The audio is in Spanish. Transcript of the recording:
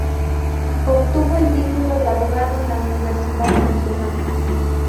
Obtuvo el título de abogado en la Universidad Nacional.